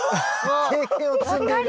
経験を積んでる。